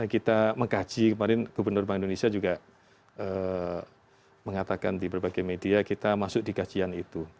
kita mengkaji kemarin gubernur bank indonesia juga mengatakan di berbagai media kita masuk di kajian itu